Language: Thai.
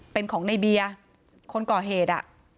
เป็นของในเบียร์คนก่อเหตุ